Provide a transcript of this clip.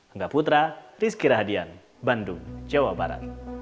angga putra rizky rahadian bandung jawa barat